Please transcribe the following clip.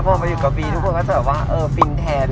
พอมาอยู่กับบีทุกคนก็จะแบบว่าเออฟินแทน